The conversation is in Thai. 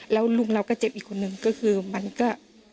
แล้วลุงเราก็เจ็บอีกคนนึงก็คือมันก็